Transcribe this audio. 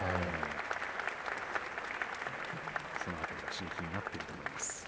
その辺りは刺激になっていると思います。